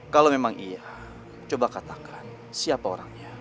kalau memang iya coba katakan siapa orangnya